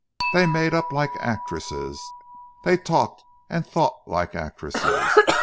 They made up like actresses; they talked and thought like actresses.